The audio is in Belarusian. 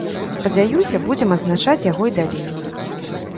Спадзяюся, будзем адзначаць яго і далей.